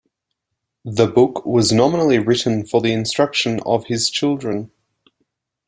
The book was nominally written for the instruction of his children.